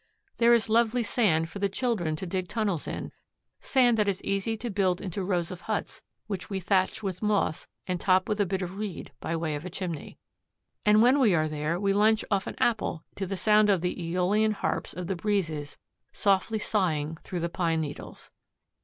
There is lovely sand for the children to dig tunnels in, sand that is easy to build into rows of huts which we thatch with moss and top with a bit of reed by way of a chimney. And when we are there we lunch off an apple to the sound of the Æolian harps of the breezes softly sighing through the pine needles!